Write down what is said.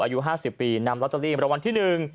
อายุ๕๐ปีนำลอตเตอรี่รางวัลที่๑